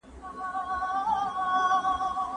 که ځوانان مطالعه وکړي ټولنه به پرمختګ وکړي.